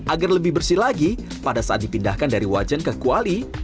agar lebih bersih lagi pada saat dipindahkan dari wajan ke kuali